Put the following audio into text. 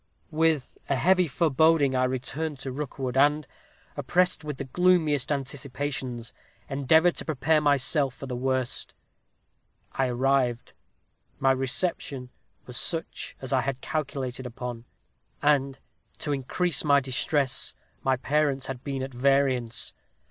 "With a heavy foreboding I returned to Rookwood, and, oppressed with the gloomiest anticipations, endeavored to prepare myself for the worst. I arrived. My reception was such as I had calculated upon; and, to increase my distress, my parents had been at variance.